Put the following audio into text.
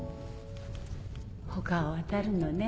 他を当たるのね。